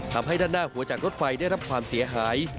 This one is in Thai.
ทำให้ด้านหน้าหัวจากรถไฟได้รับความเสียหาย